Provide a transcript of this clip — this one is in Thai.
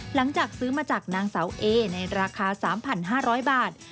หลังจากซื้อมาจากนางเสาเอในราคา๓๕๐๐บาท